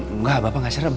enggak bapak gak serem